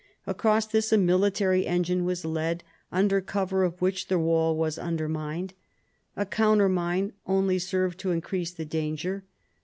Across this a military engine was led, under cover of which the wall was undermined. A countermine only served to increase the danger.